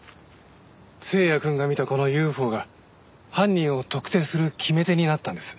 星也くんが見たこのＵＦＯが犯人を特定する決め手になったんです。